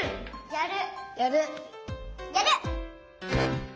やる！